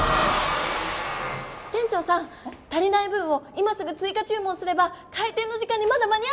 店長さん足りない分を今すぐついかちゅう文すればかい店の時間にまだ間に合うかも！